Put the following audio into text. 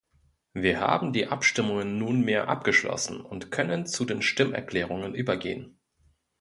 Wir haben die Abstimmungen nunmehr abgeschlossen und können zu den Stimmerklärungen übergehen.